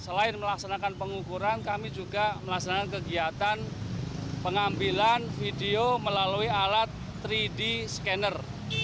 selain melaksanakan pengukuran kami juga melaksanakan kegiatan pengambilan video melalui alat tiga d scanner